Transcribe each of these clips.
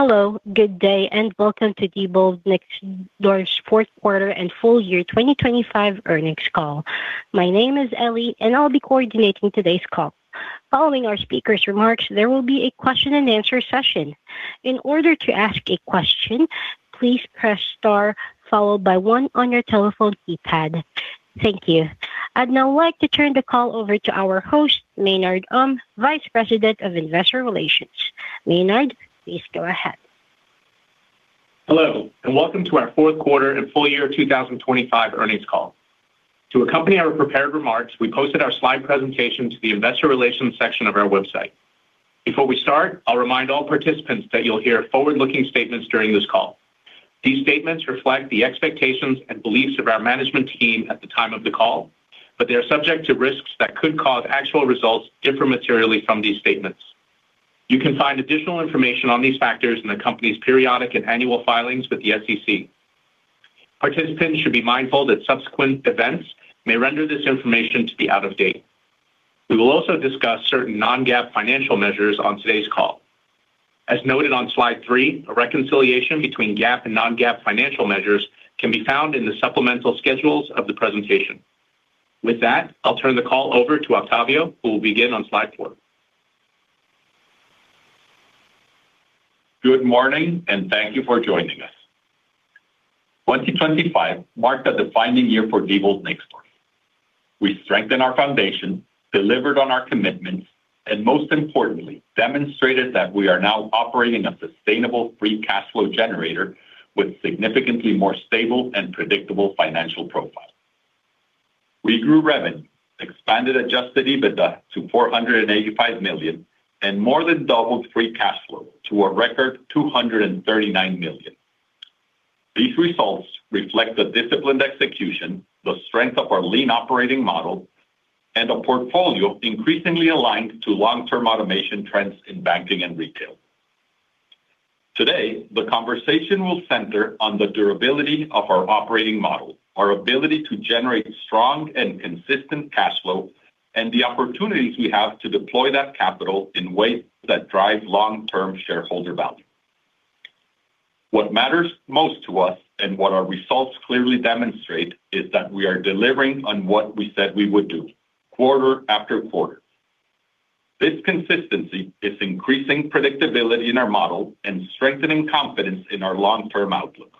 Hello, good day, and welcome to Diebold Nixdorf's fourth quarter and full year 2025 earnings call. My name is Ellie, and I'll be coordinating today's call. Following our speakers' remarks, there will be a question and answer session. In order to ask a question, please press star, followed by one on your telephone keypad. Thank you. I'd now like to turn the call over to our host, Maynard Um, Vice President of Investor Relations. Maynard, please go ahead. Hello, and welcome to our fourth quarter and full year 2025 earnings call. To accompany our prepared remarks, we posted our slide presentation to the investor relations section of our website. Before we start, I'll remind all participants that you'll hear forward-looking statements during this call. These statements reflect the expectations and beliefs of our management team at the time of the call, but they are subject to risks that could cause actual results different materially from these statements. You can find additional information on these factors in the company's periodic and annual filings with the SEC. Participants should be mindful that subsequent events may render this information to be out of date. We will also discuss certain non-GAAP financial measures on today's call. As noted on slide 3, a reconciliation between GAAP and non-GAAP financial measures can be found in the supplemental schedules of the presentation. With that, I'll turn the call over to Octavio, who will begin on slide four. Good morning, and thank you for joining us. 2025 marked a defining year for Diebold Nixdorf. We strengthened our foundation, delivered on our commitments, and most importantly, demonstrated that we are now operating a sustainable free cash flow generator with significantly more stable and predictable financial profile. We grew revenue, expanded Adjusted EBITDA to $485 million, and more than doubled free cash flow to a record $239 million. These results reflect the disciplined execution, the strength of our lean operating model, and a portfolio increasingly aligned to long-term automation trends in banking and retail. Today, the conversation will center on the durability of our operating model, our ability to generate strong and consistent cash flow, and the opportunities we have to deploy that capital in ways that drive long-term shareholder value. What matters most to us, and what our results clearly demonstrate, is that we are delivering on what we said we would do, quarter after quarter. This consistency is increasing predictability in our model and strengthening confidence in our long-term outlook.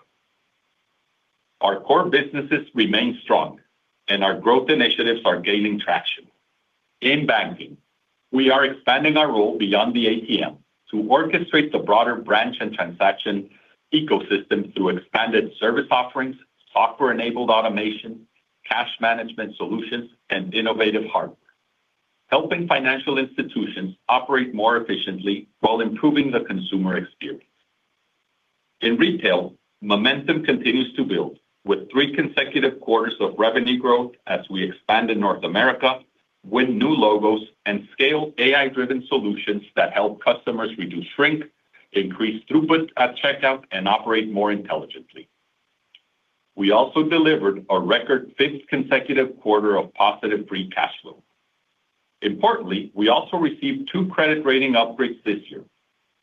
Our core businesses remain strong, and our growth initiatives are gaining traction. In banking, we are expanding our role beyond the ATM to orchestrate the broader branch and transaction ecosystem through expanded service offerings, software-enabled automation, cash management solutions, and innovative hardware, helping financial institutions operate more efficiently while improving the consumer experience. In retail, momentum continues to build, with three consecutive quarters of revenue growth as we expand in North America, win new logos, and scale AI-driven solutions that help customers reduce shrink, increase throughput at checkout, and operate more intelligently. We also delivered a record fifth consecutive quarter of positive free cash flow. Importantly, we also received two credit rating upgrades this year.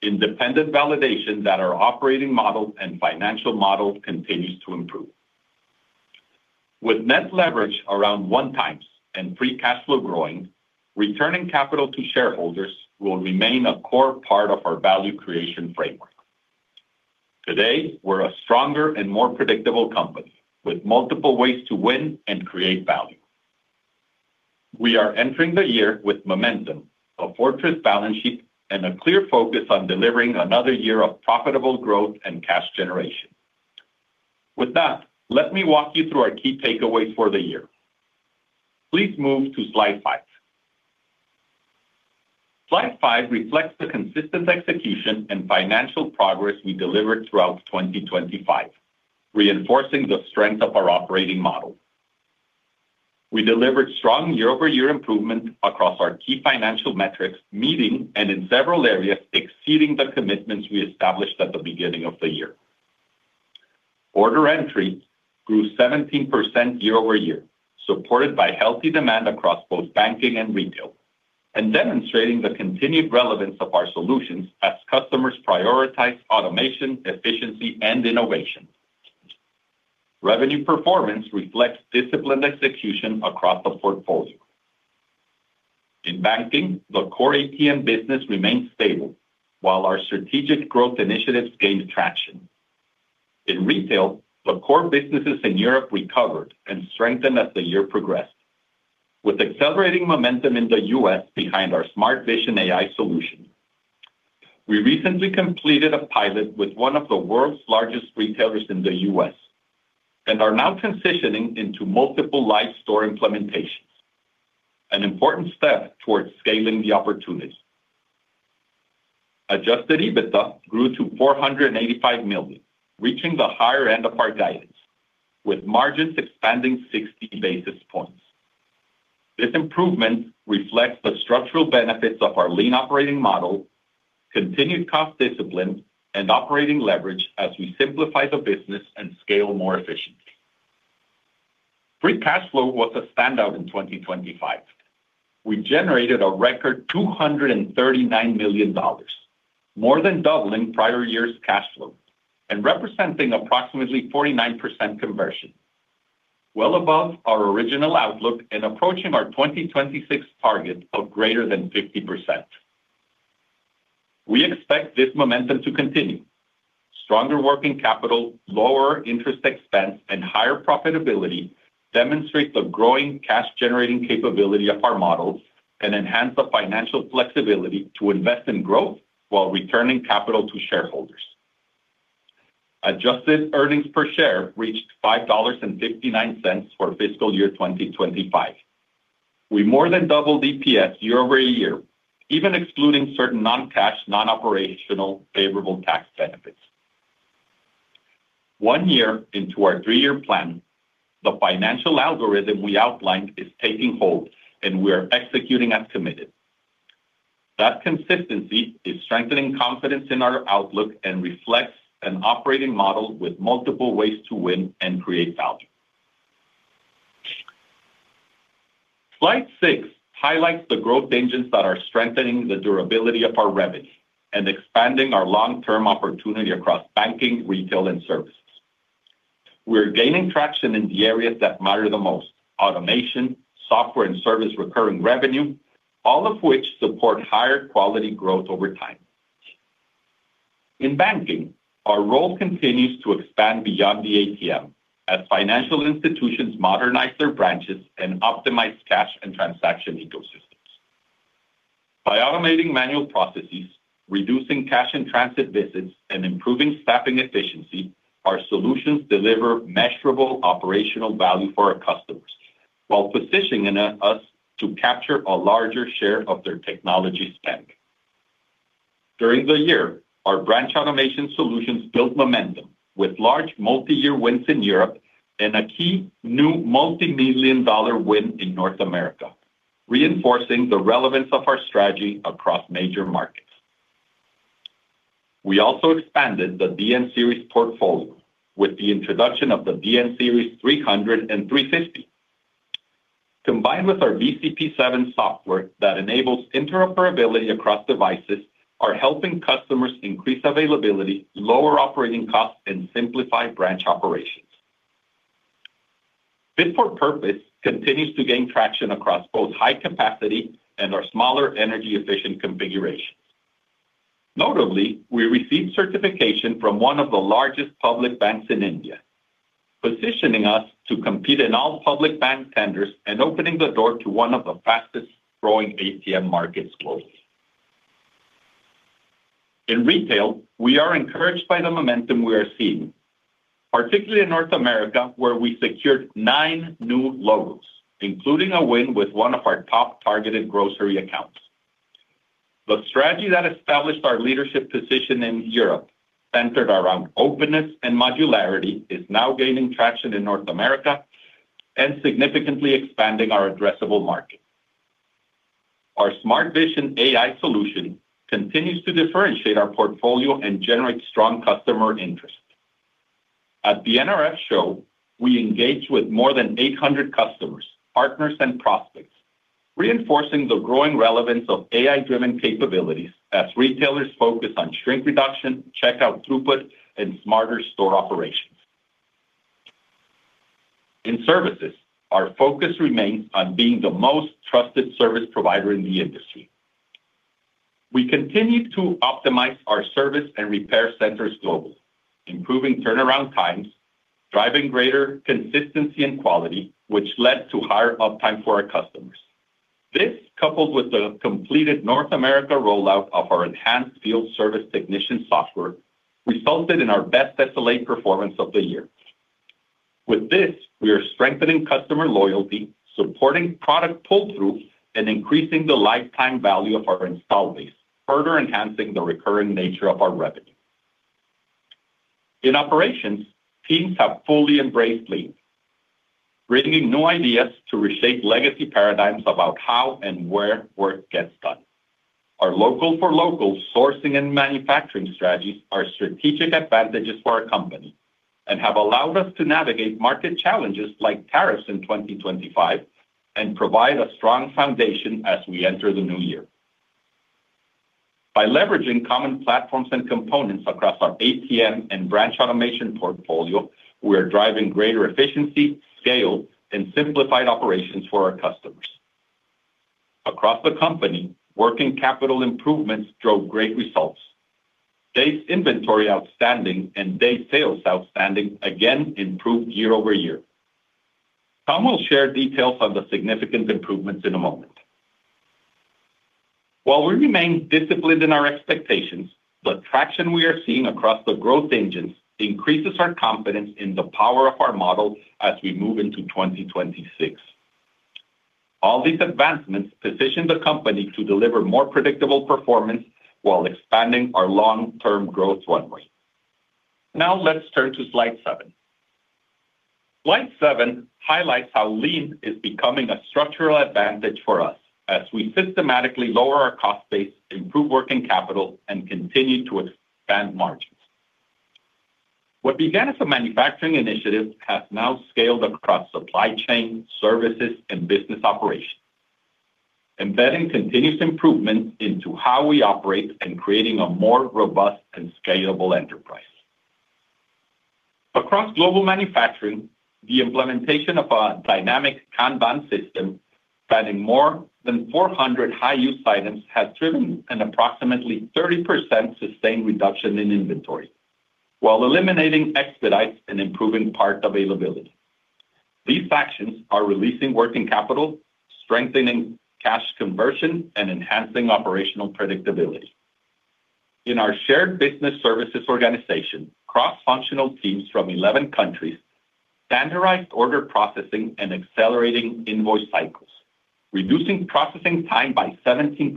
Independent validation that our operating model and financial model continues to improve. With net leverage around 1x and free cash flow growing, returning capital to shareholders will remain a core part of our value creation framework. Today, we're a stronger and more predictable company with multiple ways to win and create value. We are entering the year with momentum, a fortress balance sheet, and a clear focus on delivering another year of profitable growth and cash generation. With that, let me walk you through our key takeaways for the year. Please move to slide 5. Slide 5 reflects the consistent execution and financial progress we delivered throughout 2025, reinforcing the strength of our operating model. We delivered strong year-over-year improvement across our key financial metrics, meeting and in several areas, exceeding the commitments we established at the beginning of the year. Order entry grew 17% year-over-year, supported by healthy demand across both banking and retail, and demonstrating the continued relevance of our solutions as customers prioritize automation, efficiency, and innovation. Revenue performance reflects disciplined execution across the portfolio. In banking, the core ATM business remained stable, while our strategic growth initiatives gained traction. In retail, the core businesses in Europe recovered and strengthened as the year progressed, with accelerating momentum in the U.S. behind our Smart Vision AI solution. We recently completed a pilot with one of the world's largest retailers in the U.S. and are now transitioning into multiple live store implementations, an important step towards scaling the opportunity. Adjusted EBITDA grew to $485 million, reaching the higher end of our guidance, with margins expanding 60 basis points. This improvement reflects the structural benefits of our lean operating model, continued cost discipline, and operating leverage as we simplify the business and scale more efficiently. Free cash flow was a standout in 2025. We generated a record $239 million, more than doubling prior year's cash flow, and representing approximately 49% conversion. Well above our original outlook and approaching our 2026 target of greater than 50%. We expect this momentum to continue. Stronger working capital, lower interest expense, and higher profitability demonstrate the growing cash-generating capability of our models and enhance the financial flexibility to invest in growth while returning capital to shareholders. Adjusted earnings per share reached $5.59 for fiscal year 2025. We more than doubled EPS year-over-year, even excluding certain non-cash, non-operational, favorable tax benefits. One year into our three-year plan, the financial algorithm we outlined is taking hold, and we are executing as committed. That consistency is strengthening confidence in our outlook and reflects an operating model with multiple ways to win and create value. Slide 6 highlights the growth engines that are strengthening the durability of our revenue and expanding our long-term opportunity across banking, retail, and services. We're gaining traction in the areas that matter the most: automation, software and service recurring revenue, all of which support higher quality growth over time. In banking, our role continues to expand beyond the ATM as financial institutions modernize their branches and optimize cash and transaction ecosystems. By automating manual processes, reducing cash-in- transit visits, and improving staffing efficiency, our solutions deliver measurable operational value for our customers, while positioning us to capture a larger share of their technology spend. During the year, our Branch Automation Solutions built momentum with large multi-year wins in Europe and a key new $multi-million win in North America, reinforcing the relevance of our strategy across major markets. We also expanded the DN Series portfolio with the introduction of the DN Series 300 and 350. Combined with our VCP 7 software that enables interoperability across devices, are helping customers increase availability, lower operating costs, and simplify branch operations. Fit-for-Purpose continues to gain traction across both high capacity and our smaller energy-efficient configurations. Notably, we received certification from one of the largest public banks in India, positioning us to compete in all public bank tenders and opening the door to one of the fastest-growing ATM markets globally. In retail, we are encouraged by the momentum we are seeing, particularly in North America, where we secured 9 new logos, including a win with one of our top targeted grocery accounts. The strategy that established our leadership position in Europe, centered around openness and modularity, is now gaining traction in North America and significantly expanding our addressable market. Our Smart Vision AI solution continues to differentiate our portfolio and generate strong customer interest. At the NRF show, we engaged with more than 800 customers, partners, and prospects, reinforcing the growing relevance of AI-driven capabilities as retailers focus on shrink reduction, checkout throughput, and smarter store operations. In services, our focus remains on being the most trusted service provider in the industry. We continued to optimize our service and repair centers globally, improving turnaround times, driving greater consistency and quality, which led to higher uptime for our customers. This, coupled with the completed North America rollout of our enhanced field service technician software, resulted in our best SLA performance of the year. With this, we are strengthening customer loyalty, supporting product pull-through, and increasing the lifetime value of our installed base, further enhancing the recurring nature of our revenue. In operations, teams have fully embraced Lean, bringing new ideas to reshape legacy paradigms about how and where work gets done. Our local-for-local sourcing and manufacturing strategies are strategic advantages for our company and have allowed us to navigate market challenges like tariffs in 2025, and provide a strong foundation as we enter the new year. By leveraging common platforms and components across our ATM and branch automation portfolio, we are driving greater efficiency, scale, and simplified operations for our customers. Across the company, working capital improvements drove great results. Days inventory outstanding and days sales outstanding again improved year-over-year. Tom will share details on the significant improvements in a moment. While we remain disciplined in our expectations, the traction we are seeing across the growth engines increases our confidence in the power of our model as we move into 2026. All these advancements position the company to deliver more predictable performance while expanding our long-term growth runway. Now, let's turn to slide 7. Slide 7 highlights how Lean is becoming a structural advantage for us as we systematically lower our cost base, improve working capital, and continue to expand margin... What began as a manufacturing initiative has now scaled across supply chain, services, and business operations, embedding continuous improvement into how we operate and creating a more robust and scalable enterprise. Across global manufacturing, the implementation of a dynamic Kanban system spanning more than 400 high-use items, has driven an approximately 30% sustained reduction in inventory, while eliminating expedites and improving part availability. These actions are releasing working capital, strengthening cash conversion, and enhancing operational predictability. In our shared business services organization, cross-functional teams from 11 countries standardized order processing and accelerating invoice cycles, reducing processing time by 17%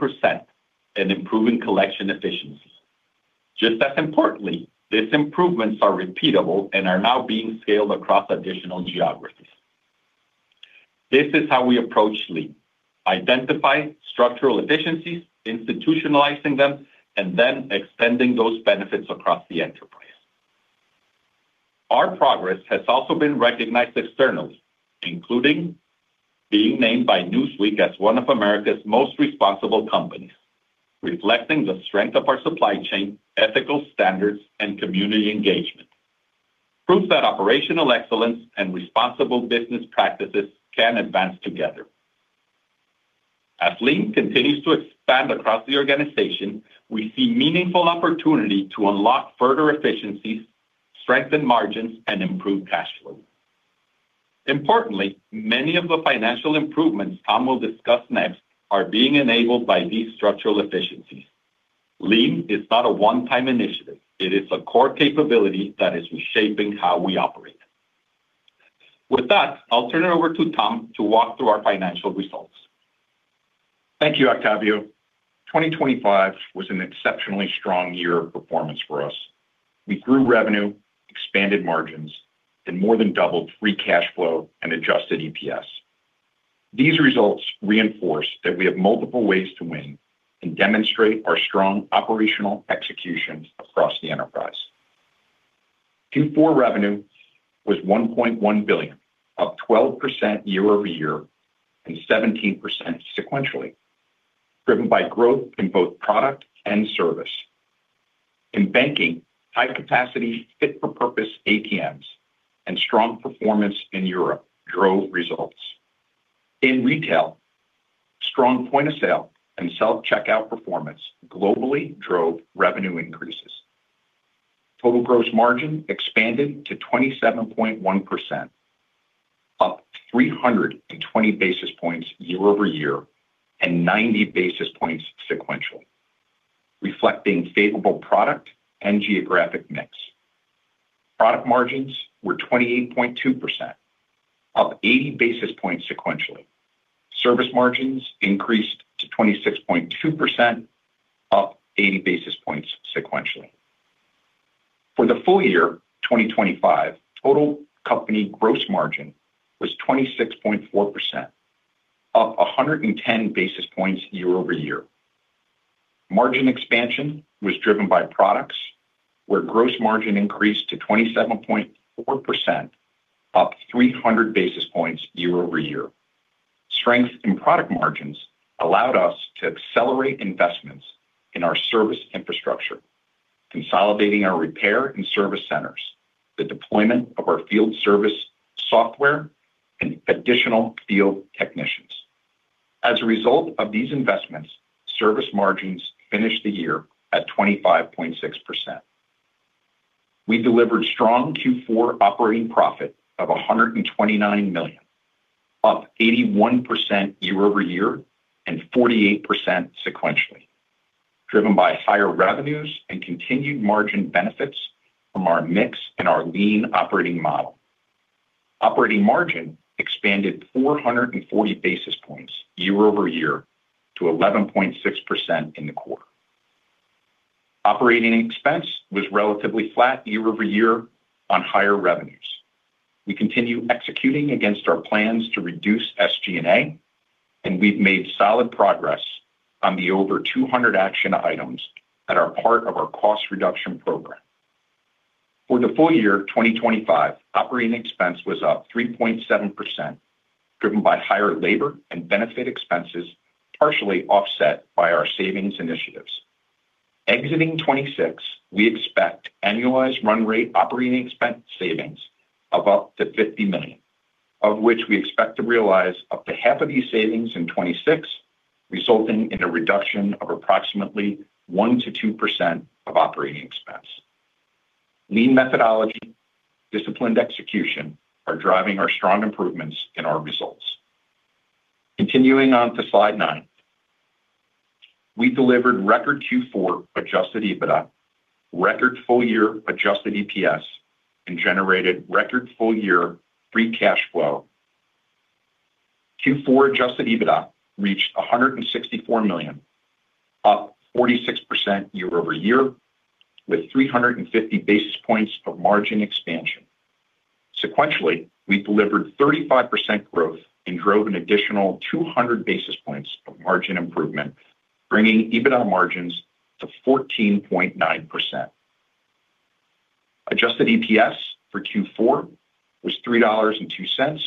and improving collection efficiencies. Just as importantly, these improvements are repeatable and are now being scaled across additional geographies. This is how we approach Lean: identifying structural efficiencies, institutionalizing them, and then extending those benefits across the enterprise. Our progress has also been recognized externally, including being named by Newsweek as one of America's most responsible companies, reflecting the strength of our supply chain, ethical standards, and community engagement. Proof that operational excellence and responsible business practices can advance together. As Lean continues to expand across the organization, we see meaningful opportunity to unlock further efficiencies, strengthen margins, and improve cash flow. Importantly, many of the financial improvements Tom will discuss next are being enabled by these structural efficiencies. Lean is not a one-time initiative. It is a core capability that is reshaping how we operate. With that, I'll turn it over to Tom to walk through our financial results. Thank you, Octavio. 2025 was an exceptionally strong year of performance for us. We grew revenue, expanded margins, and more than doubled free cash flow and adjusted EPS. These results reinforce that we have multiple ways to win and demonstrate our strong operational execution across the enterprise. Q4 revenue was $1.1 billion, up 12% year-over-year and 17% sequentially, driven by growth in both product and service. In banking, high capacity, fit-for-purpose ATMs and strong performance in Europe drove results. In retail, strong point-of-sale and self-checkout performance globally drove revenue increases. Total gross margin expanded to 27.1%, up 320 basis points year-over-year, and 90 basis points sequentially, reflecting favorable product and geographic mix. Product margins were 28.2%, up 80 basis points sequentially. Service margins increased to 26.2%, up 80 basis points sequentially. For the full year 2025, total company gross margin was 26.4%, up 110 basis points year-over-year. Margin expansion was driven by products, where gross margin increased to 27.4%, up 300 basis points year-over-year. Strength in product margins allowed us to accelerate investments in our service infrastructure, consolidating our repair and service centers, the deployment of our field service software, and additional field technicians. As a result of these investments, service margins finished the year at 25.6%. We delivered strong Q4 operating profit of $129 million, up 81% year-over-year and 48% sequentially, driven by higher revenues and continued margin benefits from our mix and our Lean operating model. Operating margin expanded 440 basis points year-over-year to 11.6% in the quarter. Operating expense was relatively flat year-over-year on higher revenues. We continue executing against our plans to reduce SG&A, and we've made solid progress on the over 200 action items that are part of our cost reduction program. For the full year 2025, operating expense was up 3.7%, driven by higher labor and benefit expenses, partially offset by our savings initiatives. Exiting 2026, we expect annualized run rate operating expense savings of up to $50 million, of which we expect to realize up to half of these savings in 2026, resulting in a reduction of approximately 1%-2% of operating expense. Lean methodology, disciplined execution, are driving our strong improvements in our results. Continuing on to slide 9. We delivered record Q4 adjusted EBITDA, record full-year adjusted EPS, and generated record full-year free cash flow. Q4 adjusted EBITDA reached $164 million, up 46% year-over-year, with 350 basis points of margin expansion. Sequentially, we delivered 35% growth and drove an additional 200 basis points of margin improvement, bringing EBITDA margins to 14.9%. Adjusted EPS for Q4 was $3.02,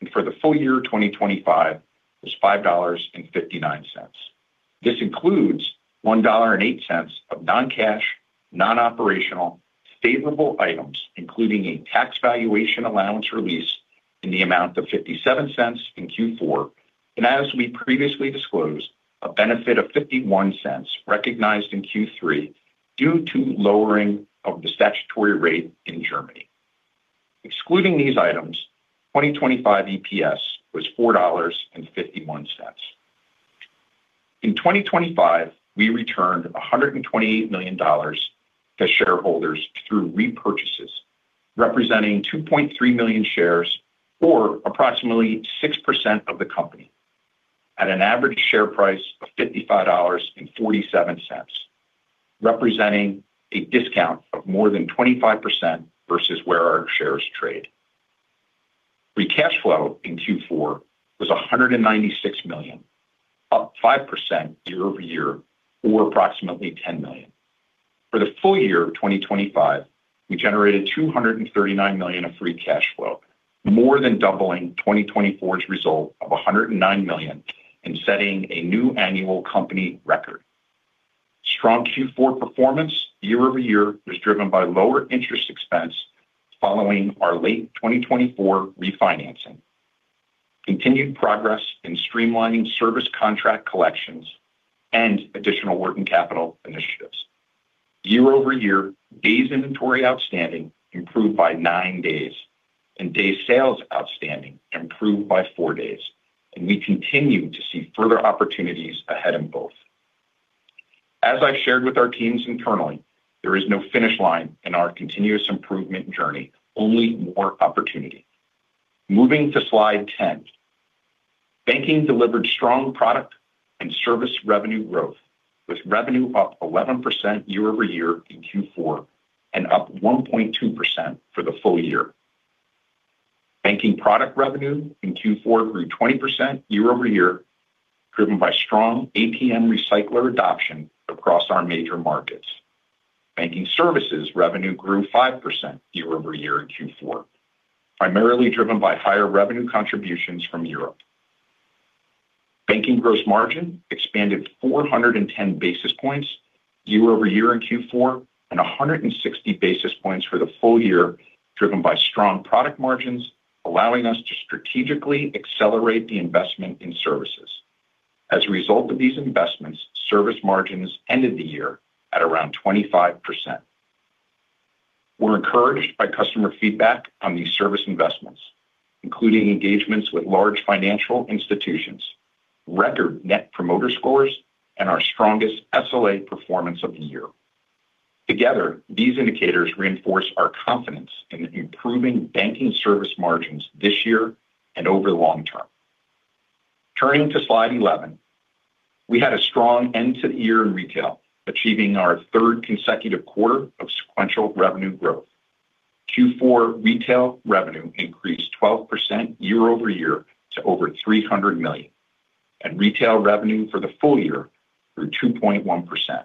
and for the full year 2025 was $5.59. This includes $1.08 of non-cash, non-operational, favorable items, including a tax valuation allowance release in the amount of $0.57 in Q4, and as we previously disclosed, a benefit of $0.51 recognized in Q3 due to lowering of the statutory rate in Germany. Excluding these items, 2025 EPS was $4.51. In 2025, we returned $128 million to shareholders through repurchases, representing 2.3 million shares or approximately 6% of the company, at an average share price of $55.47, representing a discount of more than 25% versus where our shares trade. Free cash flow in Q4 was $196 million, up 5% year-over-year, or approximately $10 million. For the full year of 2025, we generated $239 million of free cash flow, more than doubling 2024's result of $109 million and setting a new annual company record. Strong Q4 performance year-over-year was driven by lower interest expense following our late 2024 refinancing, continued progress in streamlining service contract collections, and additional working capital initiatives. Year-over-year, days inventory outstanding improved by 9 days, and days sales outstanding improved by 4 days, and we continue to see further opportunities ahead in both. As I've shared with our teams internally, there is no finish line in our continuous improvement journey, only more opportunity. Moving to slide 10. Banking delivered strong product and service revenue growth, with revenue up 11% year-over-year in Q4 and up 1.2% for the full year. Banking product revenue in Q4 grew 20% year-over-year, driven by strong ATM recycler adoption across our major markets. Banking services revenue grew 5% year-over-year in Q4, primarily driven by higher revenue contributions from Europe. Banking gross margin expanded 410 basis points year-over-year in Q4 and 160 basis points for the full year, driven by strong product margins, allowing us to strategically accelerate the investment in services. As a result of these investments, service margins ended the year at around 25%. We're encouraged by customer feedback on these service investments, including engagements with large financial institutions, record Net Promoter Scores, and our strongest SLA performance of the year. Together, these indicators reinforce our confidence in improving banking service margins this year and over the long term. Turning to slide 11. We had a strong end to the year in retail, achieving our third consecutive quarter of sequential revenue growth. Q4 retail revenue increased 12% year-over-year to over $300 million, and retail revenue for the full year grew 2.1%.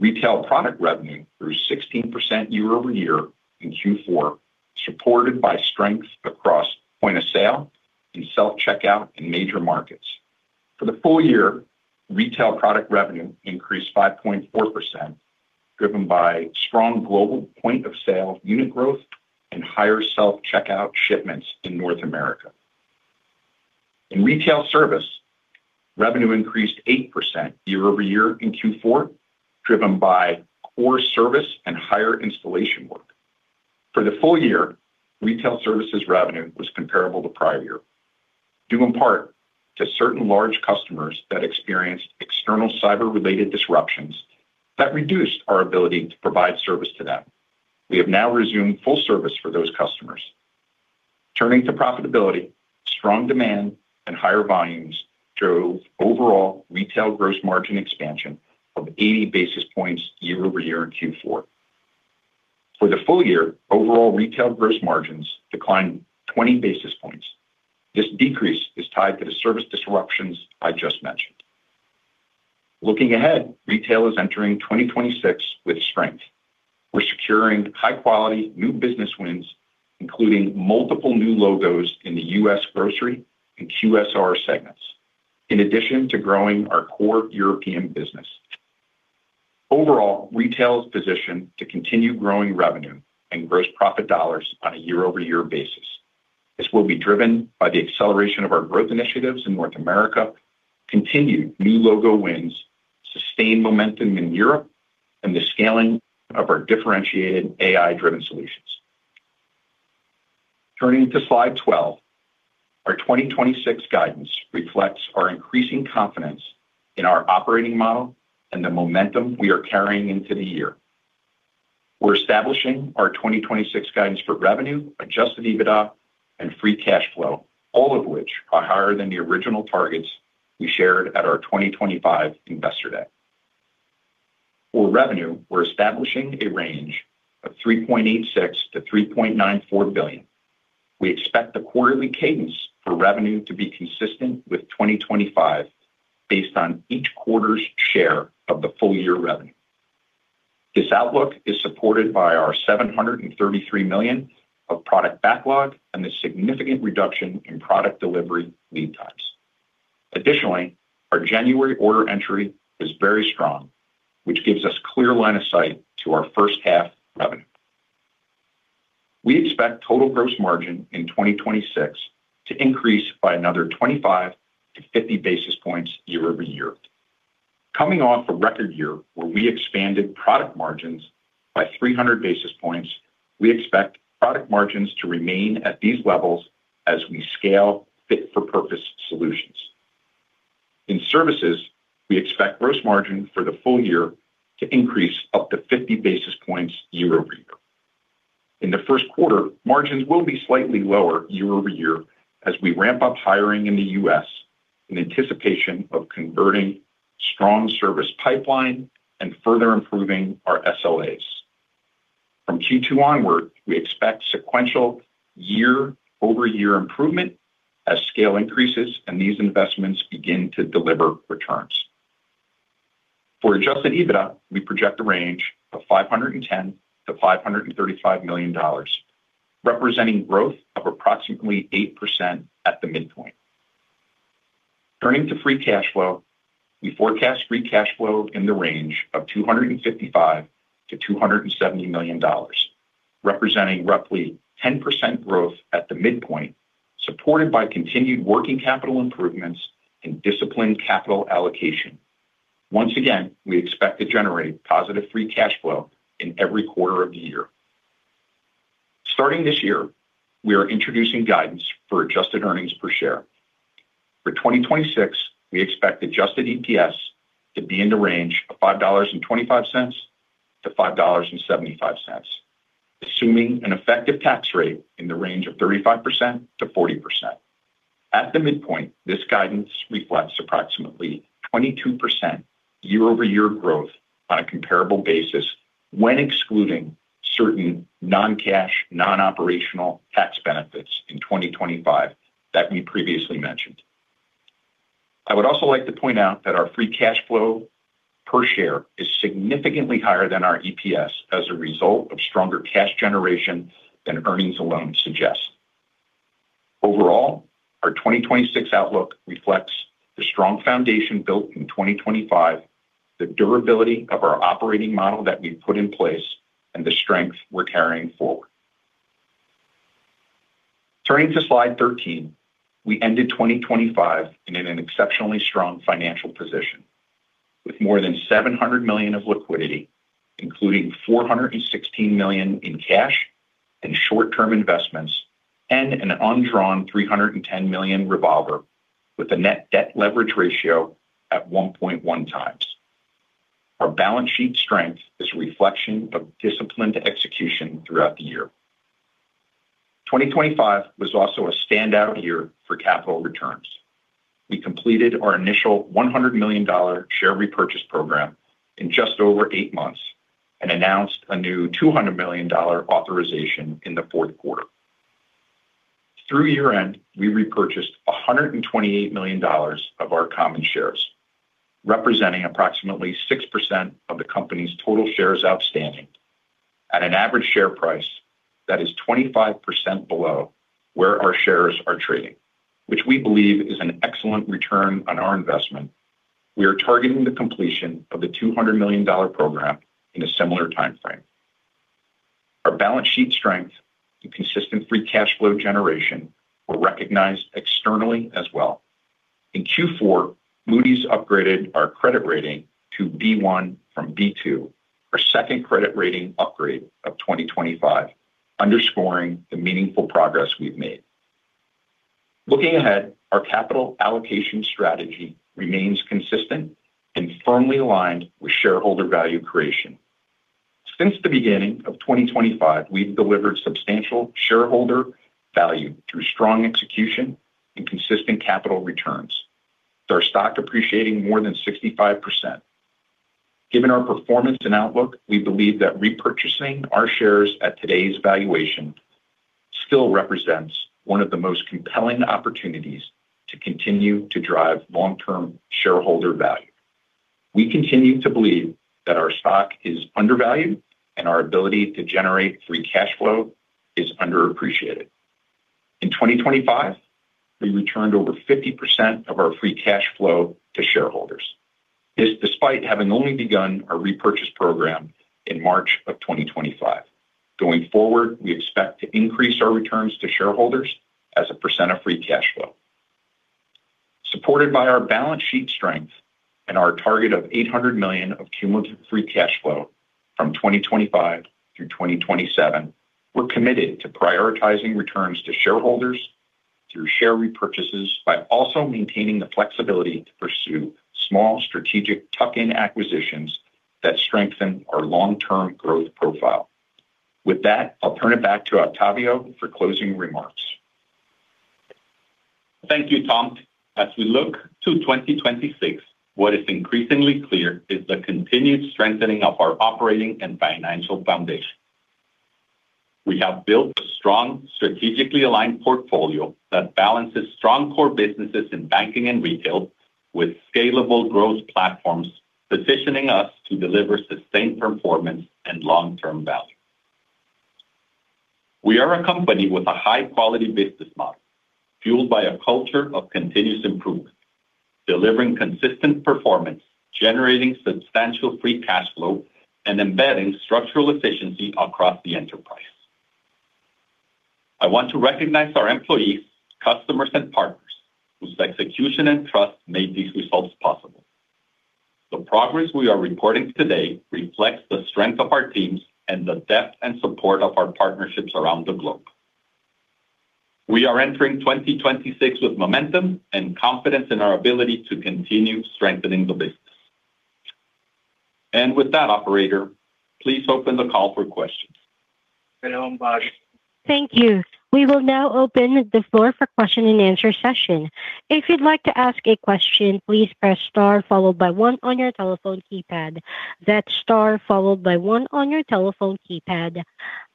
Retail product revenue grew 16% year-over-year in Q4, supported by strength across point of sale and self-checkout in major markets. For the full year, retail product revenue increased 5.4%, driven by strong global point of sale unit growth and higher self-checkout shipments in North America. In retail service, revenue increased 8% year-over-year in Q4, driven by core service and higher installation work. For the full year, retail services revenue was comparable to prior year, due in part to certain large customers that experienced external cyber-related disruptions that reduced our ability to provide service to them. We have now resumed full service for those customers. Turning to profitability, strong demand and higher volumes drove overall retail gross margin expansion of 80 basis points year-over-year in Q4. For the full year, overall retail gross margins declined 20 basis points. This decrease is tied to the service disruptions I just mentioned. Looking ahead, retail is entering 2026 with strength. We're securing high-quality new business wins, including multiple new logos in the U.S. grocery and QSR segments, in addition to growing our core European business. Overall, retail is positioned to continue growing revenue and gross profit dollars on a year-over-year basis. This will be driven by the acceleration of our growth initiatives in North America, continued new logo wins, sustained momentum in Europe, and the scaling of our differentiated AI-driven solutions. Turning to slide 12. Our 2026 guidance reflects our increasing confidence in our operating model and the momentum we are carrying into the year. We're establishing our 2026 guidance for revenue, Adjusted EBITDA, and Free Cash Flow, all of which are higher than the original targets we shared at our 2025 Investor Day... For revenue, we're establishing a range of $3.86 billion-$3.94 billion. We expect the quarterly cadence for revenue to be consistent with 2025, based on each quarter's share of the full year revenue. This outlook is supported by our $733 million of product backlog and the significant reduction in product delivery lead times. Additionally, our January order entry is very strong, which gives us clear line of sight to our first half revenue. We expect total gross margin in 2026 to increase by another 25-50 basis points year-over-year. Coming off a record year where we expanded product margins by 300 basis points, we expect product margins to remain at these levels as we scale fit-for-purpose solutions. In services, we expect gross margin for the full year to increase up to 50 basis points year-over-year. In the first quarter, margins will be slightly lower year-over-year as we ramp up hiring in the U.S. in anticipation of converting strong service pipeline and further improving our SLAs. From Q2 onward, we expect sequential year-over-year improvement as scale increases and these investments begin to deliver returns. For Adjusted EBITDA, we project a range of $510 million-$535 million, representing growth of approximately 8% at the midpoint. Turning to free cash flow, we forecast free cash flow in the range of $255 million-$270 million, representing roughly 10% growth at the midpoint, supported by continued working capital improvements and disciplined capital allocation. Once again, we expect to generate positive free cash flow in every quarter of the year. Starting this year, we are introducing guidance for adjusted earnings per share. For 2026, we expect adjusted EPS to be in the range of $5.25-$5.75, assuming an effective tax rate in the range of 35%-40%. At the midpoint, this guidance reflects approximately 22% year-over-year growth on a comparable basis when excluding certain non-cash, non-operational tax benefits in 2025 that we previously mentioned. I would also like to point out that our free cash flow per share is significantly higher than our EPS as a result of stronger cash generation than earnings alone suggests. Overall, our 2026 outlook reflects the strong foundation built in 2025, the durability of our operating model that we've put in place, and the strength we're carrying forward. Turning to slide 13, we ended 2025 in an exceptionally strong financial position, with more than $700 million of liquidity, including $416 million in cash and short-term investments, and an undrawn $310 million revolver with a net debt leverage ratio at 1.1 times. Our balance sheet strength is a reflection of disciplined execution throughout the year. 2025 was also a standout year for capital returns. We completed our initial $100 million share repurchase program in just over 8 months and announced a new $200 million authorization in the fourth quarter. Through year-end, we repurchased $128 million of our common shares, representing approximately 6% of the company's total shares outstanding at an average share price that is 25% below where our shares are trading, which we believe is an excellent return on our investment. We are targeting the completion of the $200 million program in a similar timeframe. Our balance sheet strength and consistent free cash flow generation were recognized externally as well. In Q4, Moody's upgraded our credit rating to B1 from B2, our second credit rating upgrade of 2025, underscoring the meaningful progress we've made. Looking ahead, our capital allocation strategy remains consistent and firmly aligned with shareholder value creation. Since the beginning of 2025, we've delivered substantial shareholder value through strong execution and consistent capital returns, with our stock appreciating more than 65%. Given our performance and outlook, we believe that repurchasing our shares at today's valuation still represents one of the most compelling opportunities to continue to drive long-term shareholder value. We continue to believe that our stock is undervalued and our ability to generate free cash flow is underappreciated. In 2025, we returned over 50% of our free cash flow to shareholders, this despite having only begun our repurchase program in March 2025. Going forward, we expect to increase our returns to shareholders as a % of free cash flow. Supported by our balance sheet strength and our target of $800 million of cumulative free cash flow from 2025 through 2027, we're committed to prioritizing returns to shareholders through share repurchases by also maintaining the flexibility to pursue small strategic tuck-in acquisitions that strengthen our long-term growth profile. With that, I'll turn it back to Octavio for closing remarks.... Thank you, Tom. As we look to 2026, what is increasingly clear is the continued strengthening of our operating and financial foundation. We have built a strong, strategically aligned portfolio that balances strong core businesses in banking and retail with scalable growth platforms, positioning us to deliver sustained performance and long-term value. We are a company with a high-quality business model, fueled by a culture of continuous improvement, delivering consistent performance, generating substantial Free Cash Flow, and embedding structural efficiency across the enterprise. I want to recognize our employees, customers, and partners, whose execution and trust made these results possible. The progress we are reporting today reflects the strength of our teams and the depth and support of our partnerships around the globe. We are entering 2026 with momentum and confidence in our ability to continue strengthening the business. With that, operator, please open the call for questions. Thank you. We will now open the floor for question and answer session. If you'd like to ask a question, please press star followed by one on your telephone keypad. That's star followed by one on your telephone keypad.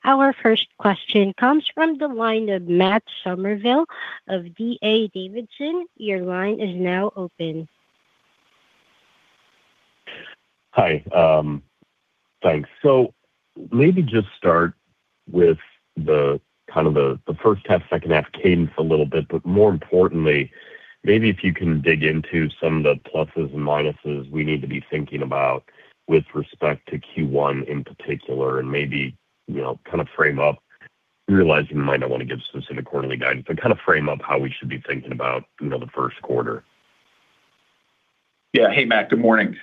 Our first question comes from the line of Matt Summerville of D.A. Davidson. Your line is now open. Hi, thanks. So maybe just start with the kind of the first half, second half cadence a little bit, but more importantly, maybe if you can dig into some of the pluses and minuses we need to be thinking about with respect to Q1 in particular, and maybe, you know, kind of frame up, realizing you might not want to give specific quarterly guidance, but kind of frame up how we should be thinking about, you know, the first quarter. Yeah. Hey, Matt, good morning.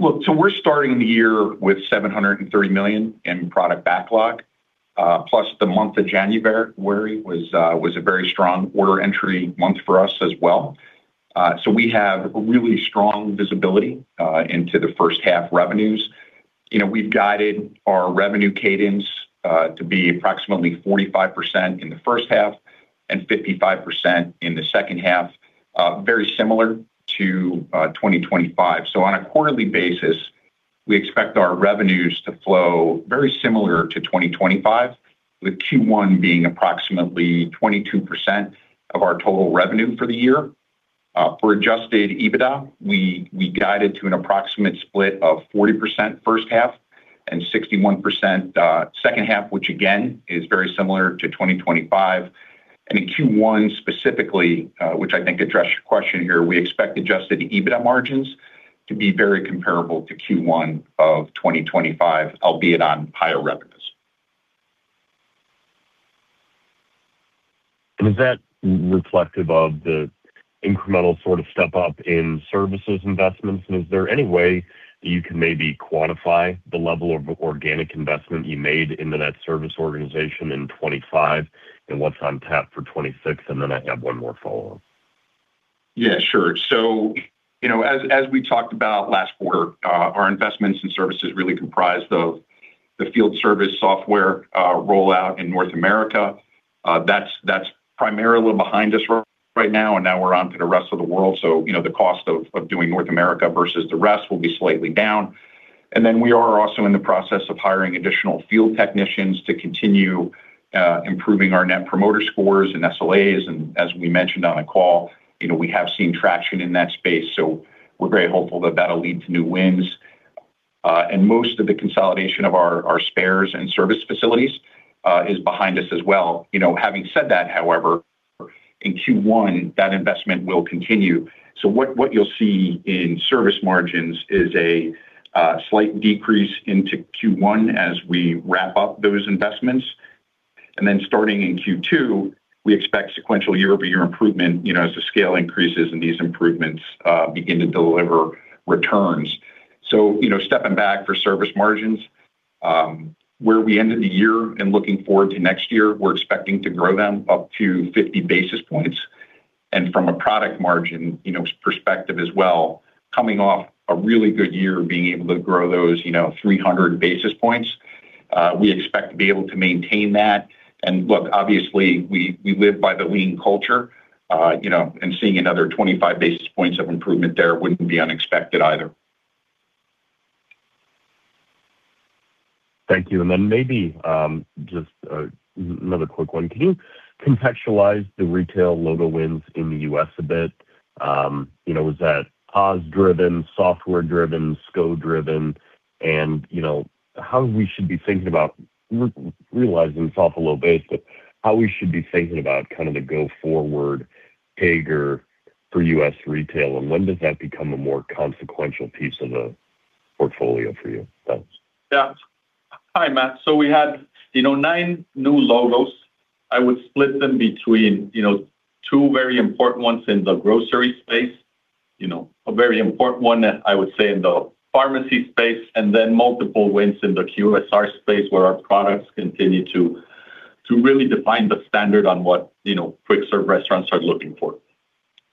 Look, so we're starting the year with $730 million in product backlog, plus the month of January was a very strong order entry month for us as well. So we have really strong visibility into the first half revenues. You know, we've guided our revenue cadence to be approximately 45% in the first half and 55% in the second half, very similar to 2025. So on a quarterly basis, we expect our revenues to flow very similar to 2025, with Q1 being approximately 22% of our total revenue for the year. For Adjusted EBITDA, we guided to an approximate split of 40% first half and 61% second half, which again, is very similar to 2025. In Q1 specifically, which I think addressed your question here, we expect Adjusted EBITDA margins to be very comparable to Q1 of 2025, albeit on higher revenues. Is that reflective of the incremental sort of step up in services investments? Is there any way that you can maybe quantify the level of organic investment you made into that service organization in 2025 and what's on tap for 2026? Then I have one more follow-up. Yeah, sure. So, you know, as we talked about last quarter, our investments in services really comprised of the field service software rollout in North America. That's primarily behind us right now, and now we're on to the rest of the world. So, you know, the cost of doing North America versus the rest will be slightly down. And then we are also in the process of hiring additional field technicians to continue improving our Net Promoter Scores and SLAs. And as we mentioned on the call, you know, we have seen traction in that space, so we're very hopeful that that'll lead to new wins. And most of the consolidation of our spares and service facilities is behind us as well. You know, having said that, however, in Q1, that investment will continue. So what you'll see in service margins is a slight decrease into Q1 as we wrap up those investments. Then starting in Q2, we expect sequential year-over-year improvement, you know, as the scale increases and these improvements begin to deliver returns. So, you know, stepping back for service margins, where we ended the year and looking forward to next year, we're expecting to grow them up to 50 basis points. From a product margin, you know, perspective as well, coming off a really good year of being able to grow those, you know, 300 basis points, we expect to be able to maintain that. Look, obviously, we live by the Lean culture, you know, and seeing another 25 basis points of improvement there wouldn't be unexpected either. Thank you. And then maybe, just, another quick one. Can you contextualize the retail logo wins in the U.S. a bit? You know, was that POS driven, software driven, scope driven? And you know, how we should be thinking about realizing it's off a low base, but how we should be thinking about kind of the go-forward CAGR for U.S. retail, and when does that become a more consequential piece of the portfolio for you? Thanks. Yeah. Hi, Matt. So we had, you know, nine new logos. I would split them between, you know, two very important ones in the grocery space, you know, a very important one that I would say in the pharmacy space, and then multiple wins in the QSR space, where our products continue to really define the standard on what, you know, quick serve restaurants are looking for....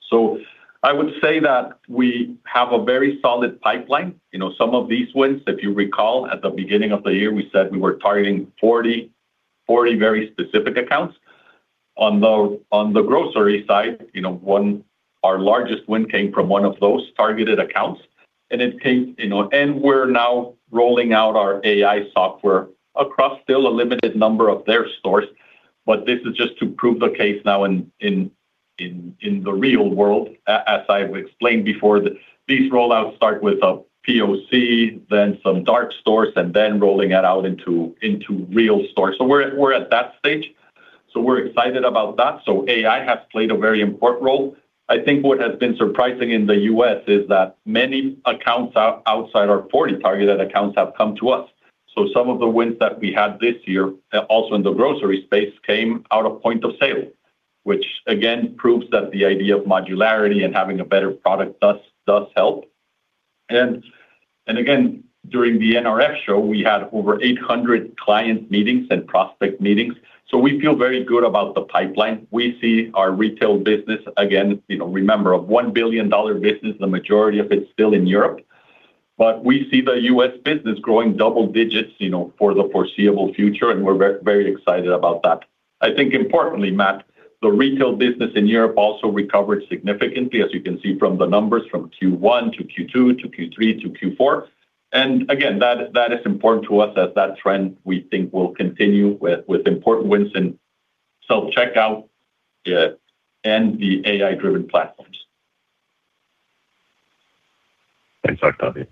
So I would say that we have a very solid pipeline. You know, some of these wins, if you recall, at the beginning of the year, we said we were targeting 40, 40 very specific accounts. On the grocery side, you know, our largest win came from one of those targeted accounts, and it came, you know. And we're now rolling out our AI software across still a limited number of their stores, but this is just to prove the case now in the real world. As I've explained before, these rollouts start with a POC, then some dark stores, and then rolling it out into real stores. So we're at that stage, so we're excited about that. So AI has played a very important role. I think what has been surprising in the U.S. is that many accounts outside our 40 targeted accounts have come to us. So some of the wins that we had this year also in the grocery space came out of point of sale, which, again, proves that the idea of modularity and having a better product does help. And again, during the NRF show, we had over 800 client meetings and prospect meetings, so we feel very good about the pipeline. We see our retail business again, you know, remember, a $1 billion business, the majority of it's still in Europe. But we see the U.S. business growing double digits, you know, for the foreseeable future, and we're very, very excited about that. I think importantly, Matt, the retail business in Europe also recovered significantly, as you can see from the numbers from Q1 to Q2 to Q3 to Q4. Again, that is important to us as that trend, we think, will continue with important wins and self-checkout and the AI-driven platforms. Thanks, Octavio.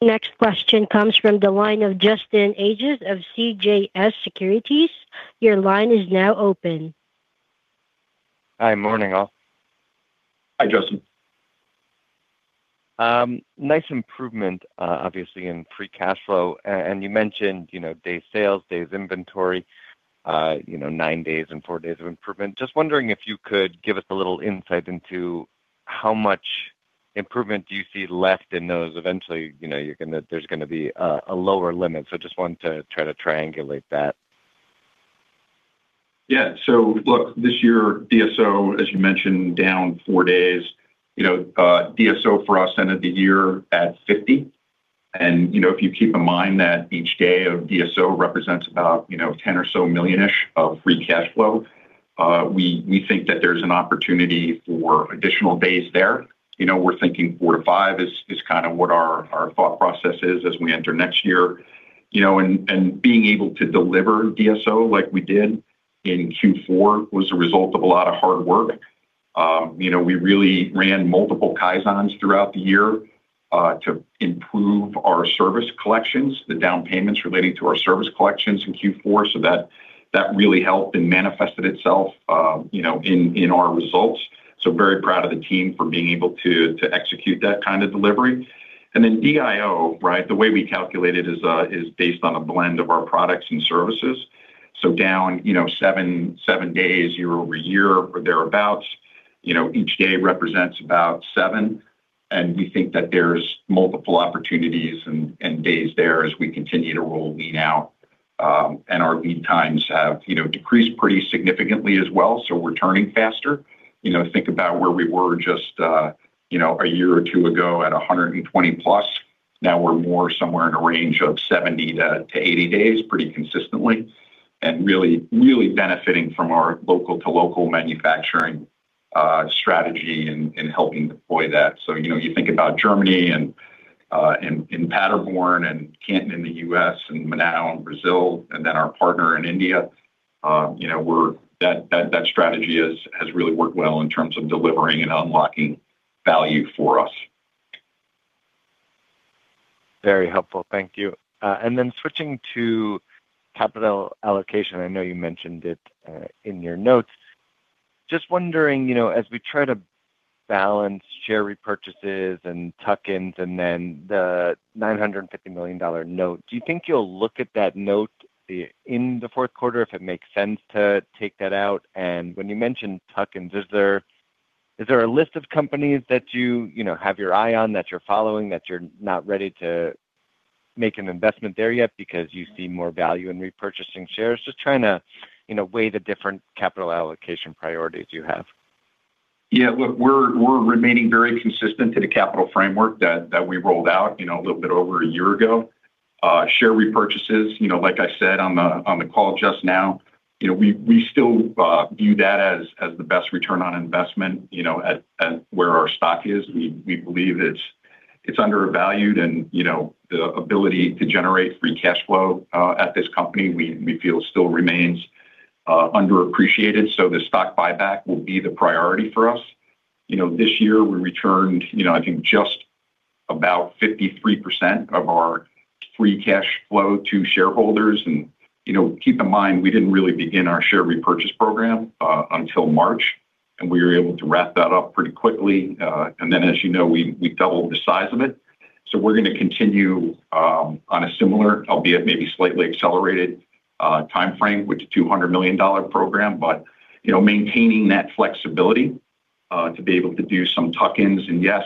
Next question comes from the line of Justin Ages of CJS Securities. Your line is now open. Hi, morning all. Hi, Justin. Nice improvement, obviously in free cash flow. You mentioned, you know, day sales, days inventory, you know, 9 days and 4 days of improvement. Just wondering if you could give us a little insight into how much improvement do you see left in those? Eventually, you know, you're gonna— there's gonna be a lower limit, so just wanted to try to triangulate that. Yeah. So look, this year, DSO, as you mentioned, down 4 days. You know, DSO for us ended the year at 50. And, you know, if you keep in mind that each day of DSO represents about, you know, $10 million-ish of free cash flow, we, we think that there's an opportunity for additional days there. You know, we're thinking 4-5 is, is kind of what our, our thought process is as we enter next year. You know, and, and being able to deliver DSO like we did in Q4 was a result of a lot of hard work. You know, we really ran multiple Kaizens throughout the year, to improve our service collections, the down payments relating to our service collections in Q4, so that, that really helped and manifested itself, you know, in, in our results. So very proud of the team for being able to execute that kind of delivery. And then DIO, right? The way we calculate it is based on a blend of our products and services. So down, you know, 7, 7 days year-over-year or thereabout. You know, each day represents about 7, and we think that there's multiple opportunities and days there as we continue to roll Lean out. And our lead times have, you know, decreased pretty significantly as well, so we're turning faster. You know, think about where we were just a year or two ago at 120+. Now we're more somewhere in a range of 70-80 days, pretty consistently, and really, really benefiting from our local to local manufacturing strategy and helping deploy that. So, you know, you think about Germany and in Paderborn and Canton in the U.S., and Manaus in Brazil, and then our partner in India, you know, that strategy has really worked well in terms of delivering and unlocking value for us. Very helpful. Thank you. And then switching to capital allocation, I know you mentioned it in your notes. Just wondering, you know, as we try to balance share repurchases and tuck-ins and then the $950 million note, do you think you'll look at that note in the fourth quarter, if it makes sense to take that out? And when you mentioned tuck-ins, is there a list of companies that you, you know, have your eye on, that you're following, that you're not ready to make an investment there yet because you see more value in repurchasing shares? Just trying to, you know, weigh the different capital allocation priorities you have. Yeah, look, we're remaining very consistent to the capital framework that we rolled out, you know, a little bit over a year ago. Share repurchases, you know, like I said, on the call just now, you know, we still view that as the best return on investment, you know, at where our stock is. We believe it's undervalued and, you know, the ability to generate free cash flow at this company, we feel still remains underappreciated, so the stock buyback will be the priority for us. You know, this year we returned, you know, I think just about 53% of our free cash flow to shareholders and, you know, keep in mind, we didn't really begin our share repurchase program until March, and we were able to wrap that up pretty quickly. And then, as you know, we doubled the size of it. So we're gonna continue on a similar, albeit maybe slightly accelerated, time frame with the $200 million program, but, you know, maintaining that flexibility to be able to do some tuck-ins. And yes,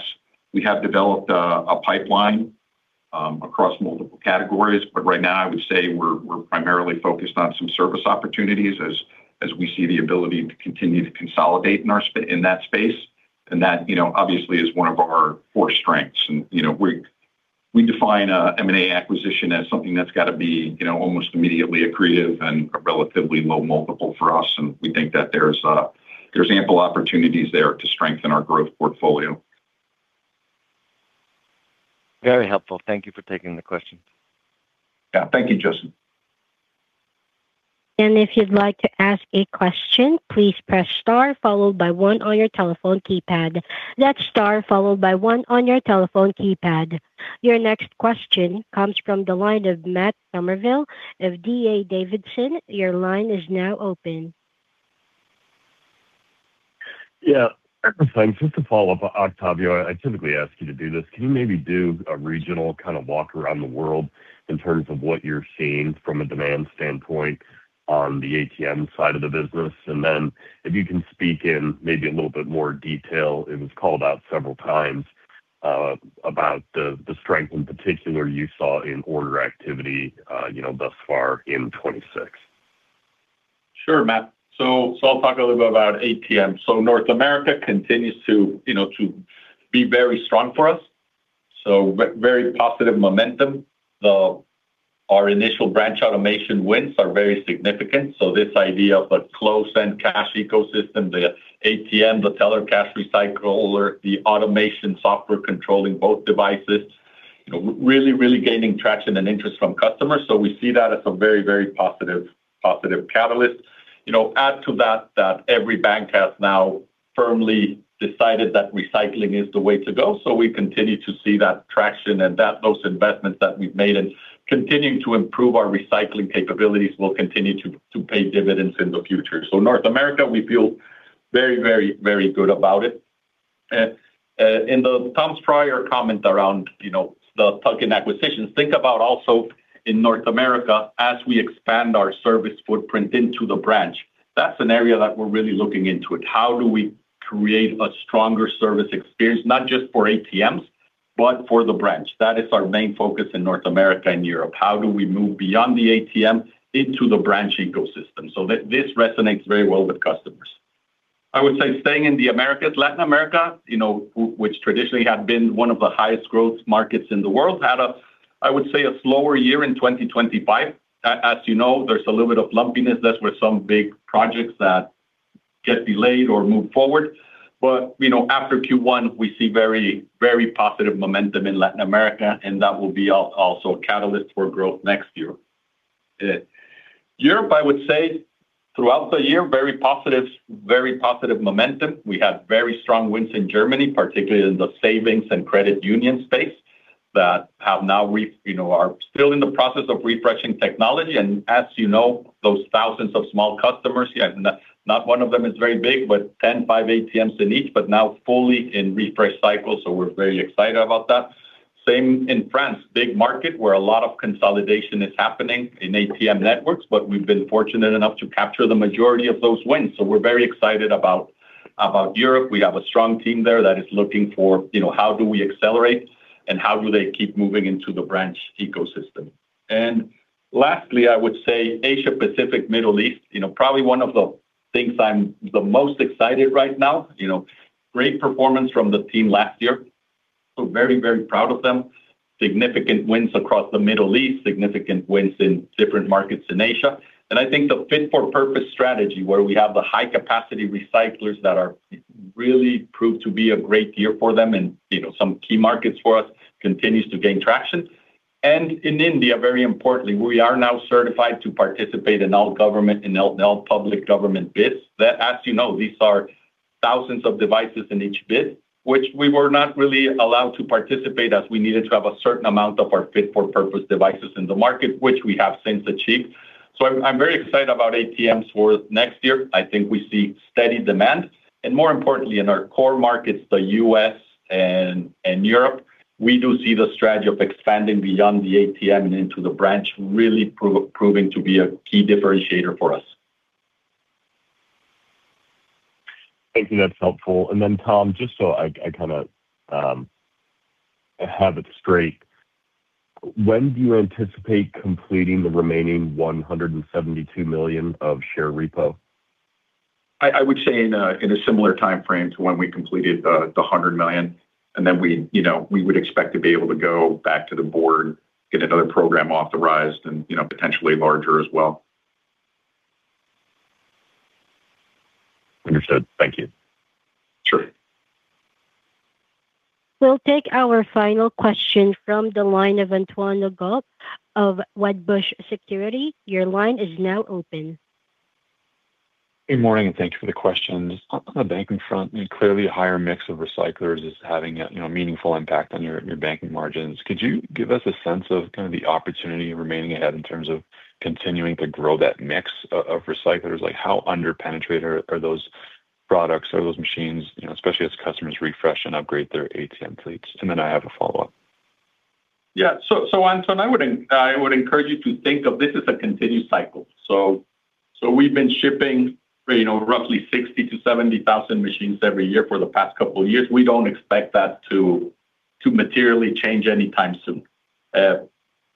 we have developed a pipeline-... across multiple categories. But right now, I would say we're primarily focused on some service opportunities as we see the ability to continue to consolidate in that space, and that, you know, obviously is one of our core strengths. And, you know, we define a M&A acquisition as something that's got to be, you know, almost immediately accretive and a relatively low multiple for us, and we think that there's ample opportunities there to strengthen our growth portfolio. Very helpful. Thank you for taking the question. Yeah. Thank you, Justin. And if you'd like to ask a question, please press star followed by one on your telephone keypad. That's star followed by one on your telephone keypad. Your next question comes from the line of Matt Summerville of D.A. Davidson. Your line is now open. Yeah, just to follow up on Octavio, I typically ask you to do this. Can you maybe do a regional kind of walk around the world in terms of what you're seeing from a demand standpoint on the ATM side of the business? And then if you can speak in maybe a little bit more detail, it was called out several times, about the strength in particular you saw in order activity, you know, thus far in 2026. Sure, Matt. So I'll talk a little bit about ATM. So North America continues to, you know, to be very strong for us, so very positive momentum. Our initial branch automation wins are very significant. So this idea of a closed-end cash ecosystem, the ATM, the Teller Cash Recycler, the automation software controlling both devices, you know, really, really gaining traction and interest from customers. So we see that as a very, very positive, positive catalyst. You know, add to that every bank has now firmly decided that recycling is the way to go. So we continue to see that traction and those investments that we've made in continuing to improve our recycling capabilities will continue to pay dividends in the future. So North America, we feel very, very, very good about it. And Tom's prior comment around, you know, the tuck-in acquisitions, think about also in North America as we expand our service footprint into the branch. That's an area that we're really looking into. It's how do we create a stronger service experience, not just for ATMs, but for the branch? That is our main focus in North America and Europe. How do we move beyond the ATM into the branch ecosystem? So this, this resonates very well with customers. I would say, staying in the Americas, Latin America, you know, which traditionally had been one of the highest growth markets in the world, had, I would say, a slower year in 2025. As you know, there's a little bit of lumpiness. That's where some big projects that get delayed or moved forward. But you know, after Q1, we see very, very positive momentum in Latin America, and that will be also a catalyst for growth next year. Europe, I would say, throughout the year, very positive, very positive momentum. We have very strong wins in Germany, particularly in the savings and credit union space, that now, you know, are still in the process of refreshing technology. And as you know, those thousands of small customers, yeah, not one of them is very big, but 10, 5 ATMs in each, but now fully in refresh cycle, so we're very excited about that. Same in France, big market, where a lot of consolidation is happening in ATM networks, but we've been fortunate enough to capture the majority of those wins. So we're very excited about, about Europe. We have a strong team there that is looking for, you know, how do we accelerate, and how do they keep moving into the branch ecosystem? And lastly, I would say Asia-Pacific, Middle East, you know, probably one of the things I'm the most excited right now, you know, great performance from the team last year. So very, very proud of them. Significant wins across the Middle East, significant wins in different markets in Asia. And I think the fit-for-purpose strategy, where we have the high-capacity recyclers that are really proved to be a great year for them and, you know, some key markets for us, continues to gain traction. And in India, very importantly, we are now certified to participate in all government and all public government bids. That, as you know, these are thousands of devices in each bid, which we were not really allowed to participate, as we needed to have a certain amount of our Fit for Purpose devices in the market, which we have since achieved. So I'm, I'm very excited about ATMs for next year. I think we see steady demand, and more importantly, in our core markets, the U.S. and, and Europe, we do see the strategy of expanding beyond the ATM and into the branch really proving to be a key differentiator for us. Thank you. That's helpful. And then, Tom, just so I kind of have it straight, when do you anticipate completing the remaining $172 million of share repo? I would say in a similar timeframe to when we completed the $100 million, and then you know, we would expect to be able to go back to the board, get another program authorized and, you know, potentially larger as well. Understood. Thank you. Sure. We'll take our final question from the line of Antoine Gallop of Wedbush Securities. Your line is now open. Good morning, and thank you for the questions. On the banking front, and clearly a higher mix of recyclers is having a, you know, meaningful impact on your banking margins. Could you give us a sense of kind of the opportunity remaining ahead in terms of continuing to grow that mix of recyclers? Like, how under-penetrated are those products or those machines, you know, especially as customers refresh and upgrade their ATM fleets? And then I have a follow-up. Yeah. So, Antoine, I would encourage you to think of this as a continued cycle. So-... So we've been shipping, you know, roughly 60,000-70,000 machines every year for the past couple of years. We don't expect that to materially change anytime soon.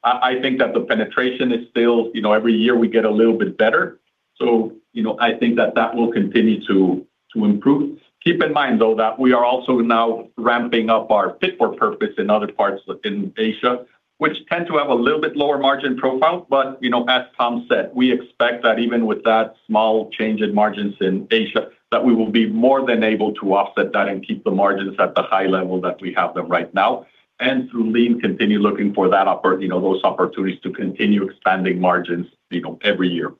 I think that the penetration is still, you know, every year we get a little bit better, so, you know, I think that that will continue to improve. Keep in mind, though, that we are also now ramping up our Fit-for-Purpose in other parts within Asia, which tend to have a little bit lower margin profile. But, you know, as Tom said, we expect that even with that small change in margins in Asia, that we will be more than able to offset that and keep the margins at the high level that we have them right now, and through Lean, continue looking for that, you know, those opportunities to continue expanding margins, you know, every year.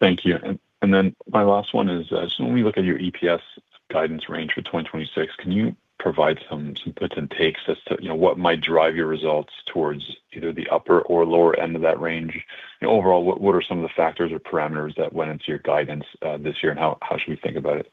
Thank you. And then my last one is, so when we look at your EPS guidance range for 2026, can you provide some puts and takes as to, you know, what might drive your results towards either the upper or lower end of that range? And overall, what are some of the factors or parameters that went into your guidance, this year, and how should we think about it?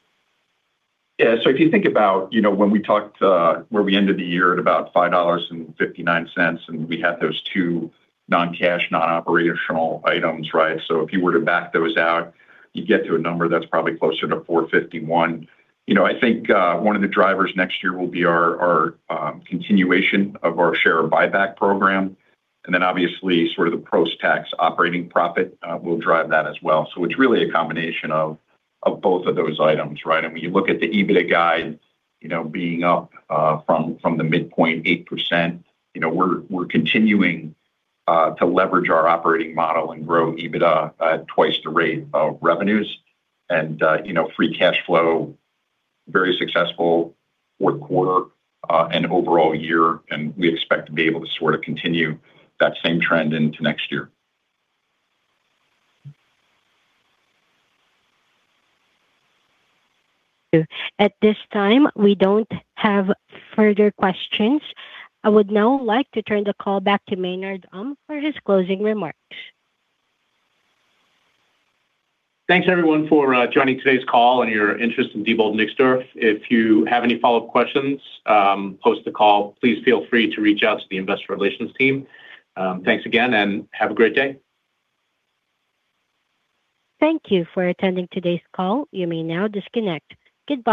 Yeah, so if you think about, you know, when we talked, where we ended the year at about $5.59, and we had those two non-cash, non-operational items, right? So if you were to back those out, you get to a number that's probably closer to $4.51. You know, I think, one of the drivers next year will be our, our, continuation of our share buyback program, and then obviously, sort of the post-tax operating profit, will drive that as well. So it's really a combination of, of both of those items, right? And when you look at the EBITDA guide, you know, being up from the midpoint 8%, you know, we're, we're continuing, to leverage our operating model and grow EBITDA at twice the rate of revenues. You know, Free Cash Flow, very successful fourth quarter, and overall year, and we expect to be able to sort of continue that same trend into next year. At this time, we don't have further questions. I would now like to turn the call back to Maynard Um for his closing remarks. Thanks, everyone, for joining today's call and your interest in Diebold Nixdorf. If you have any follow-up questions, post the call, please feel free to reach out to the investor relations team. Thanks again, and have a great day. Thank you for attending today's call. You may now disconnect. Goodbye.